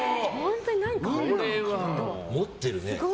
持ってるね。